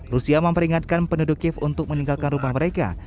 rusia memperingatkan penduduk kiev untuk meninggalkan rumah mereka